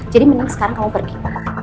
jadi mending sekarang kamu pergi